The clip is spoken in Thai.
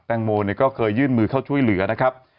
แตงโมก็เคยยื่นมือเข้าช่วยเหลือนะครับ